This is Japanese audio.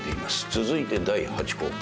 続いて第８稿。